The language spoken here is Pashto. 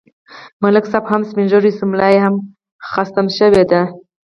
ملک صاحب هم سپین ږیری شو، ملایې خم شوې ده.